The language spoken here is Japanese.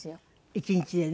１日でね。